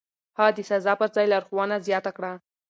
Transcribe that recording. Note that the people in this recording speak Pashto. هغه د سزا پر ځای لارښوونه زياته کړه.